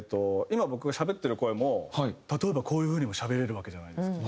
今僕がしゃべってる声も「例えばこういう風にもしゃべれるわけじゃないですか」。